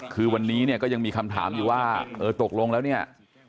คือวันนี้เนี่ยก็ยังมีคำถามอยู่ว่าเออตกลงแล้วเนี่ย